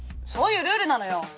そういうルールなのよ！